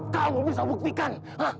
kamu bisa buktikan